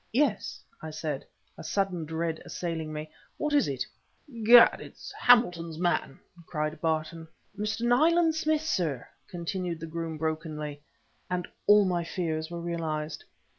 "Yes!" I said, a sudden dread assailing me. "What is it?" "Gad! it's Hamilton's man!" cried Barton. "Mr. Nayland Smith, sir," continued the groom brokenly and all my fears were realized.